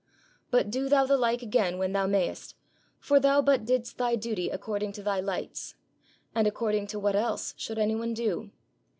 But do thou the Like again when thou mayest, for thou but didst thy Duty according to thy Lights; and according to what else should any one do?